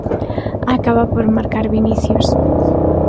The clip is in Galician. Acaba por marcar Vinicius.